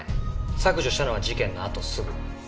削除したのは事件のあとすぐ。